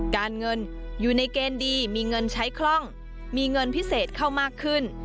การเงินอยู่ในเกณฑ์ดีมีเงินใช้คล่องมีเงินพิเศษเข้ามากขึ้น